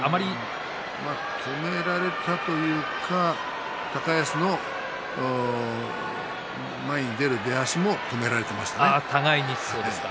止められたというか高安の前に出る出足も止められていましたよね。